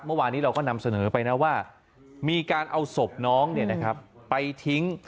เมื่อวานนี้เราก็นำเสนอไปนะว่ามีการเอาศพน้องไปทิ้ง